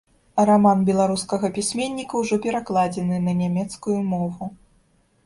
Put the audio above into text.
Раман беларускага пісьменніка ўжо перакладзены на нямецкую мову.